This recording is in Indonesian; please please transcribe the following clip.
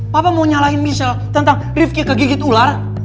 papa mau nyalahin misal tentang rifqi kegigit ular